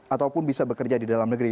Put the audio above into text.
ataupun bisa bekerja di dalam negeri